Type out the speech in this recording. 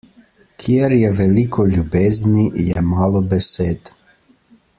Kjer je veliko ljubezni, je malo besed.